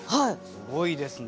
すごいですね。